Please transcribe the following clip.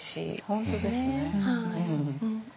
本当ですね。